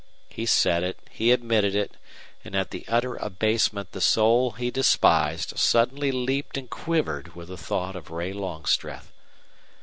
He said it. He admitted it. And at the utter abasement the soul he despised suddenly leaped and quivered with the thought of Ray Longstreth.